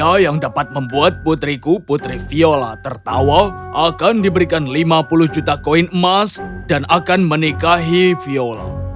hal yang dapat membuat putriku putri viola tertawa akan diberikan lima puluh juta koin emas dan akan menikahi viola